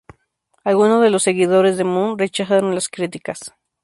Algunos de los seguidores de Moon rechazaron las críticas.